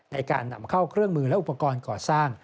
ในการนำเข้าเครื่องมือและอุปกรณ์ก่อสร้าง